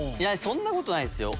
そんなことないっすよ。